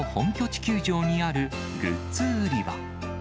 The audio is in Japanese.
地球場にあるグッズ売り場。